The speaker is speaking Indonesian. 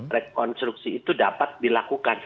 rekonstruksi itu dapat dilakukan